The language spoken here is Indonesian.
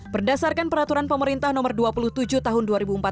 berdasarkan peraturan pemerintah nomor dua puluh tujuh tahun dua ribu empat belas